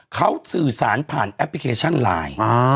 เขาสื่อสารผ่านแอปพลิเคชันไลน์